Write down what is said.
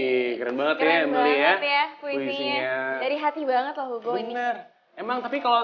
hai wuih keren banget ya mulia mulia dari hati banget loh bener bener emang tapi kalau